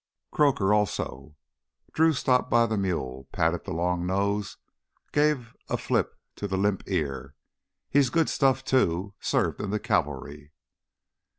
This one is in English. "Croaker, also." Drew stopped by the mule, patted the long nose, gave a flip to the limp ear. "He's good stuff, too—served in the cavalry...."